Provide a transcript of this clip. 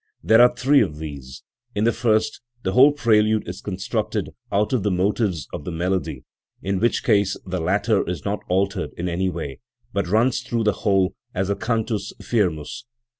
There are three of these. In the first, the whole prelude is constructed out of the motives of the melody, in which case the latter is not altered in any way, but runs through the whole as a cantus firmus.